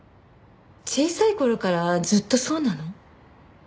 小さい頃からずっとそうなの？